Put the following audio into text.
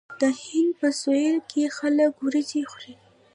د هند په سویل کې خلک وریجې خوري.